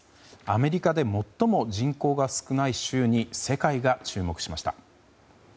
アメリカで最も人口が少ない州に世界が注目しました。